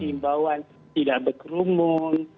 himbauan tidak berkerumun